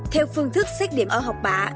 theo phương thức xét điểm ở học bạ